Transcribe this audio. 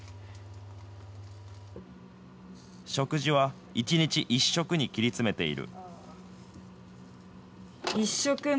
食事は１日１食に切り詰めている。